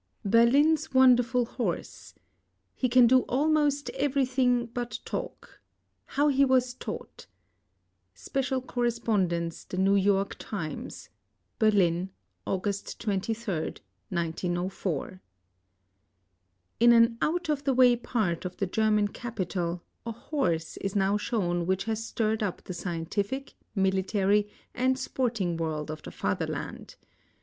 BERLIN'S WONDERFUL HORSE He Can Do Almost Everything but Talk :^ How He Was Taught. .Special Correspondence Tbb Nk^ '70RK TlMSa BERLIN, Aug. as.— In. an' out of the way part of the German capital ' a j horse Is now shown which has stirred up the scientific, military, and sporting world of the Fatherland.